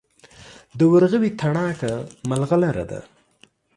د ورغوي تڼاکه ملغلره ده.